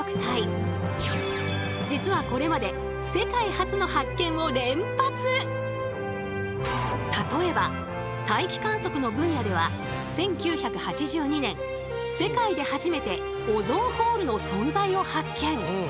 実はこれまで例えば大気観測の分野では１９８２年世界で初めてオゾンホールの存在を発見。